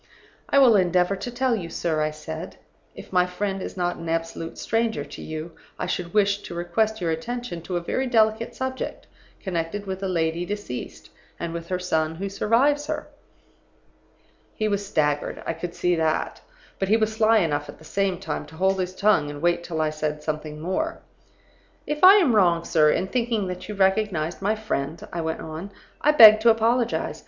"'I will endeavor to tell you, sir,' I said. 'If my friend is not an absolute stranger to you, I should wish to request your attention to a very delicate subject, connected with a lady deceased, and with her son who survives her.' "He was staggered; I could see that. But he was sly enough at the same time to hold his tongue and wait till I said something more. "'If I am wrong, sir, in thinking that you recognized my friend,' I went on, 'I beg to apologize.